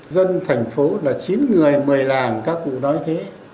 dân thành phố là chín người một mươi làng các cụ nói thế